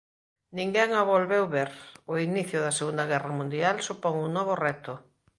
Ninguén a volveu ver.O inicio da Segunda Guerra Mundial supón un novo reto.